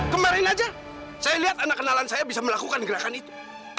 kemarin aja saya lihat anak kenalan saya bisa melakukan gerakan itu